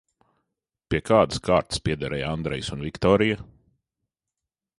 Pie kādas kārtas piederēja Andrejs un Viktorija?